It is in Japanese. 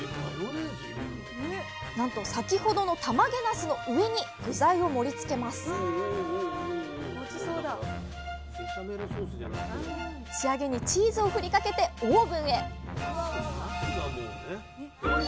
なんと先ほどのたまげなすの上に具材を盛りつけます仕上げにチーズを振りかけてオーブンへ！